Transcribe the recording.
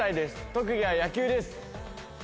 特技は野球です。